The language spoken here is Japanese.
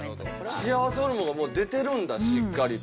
幸せホルモンはもう出てるんだしっかりと。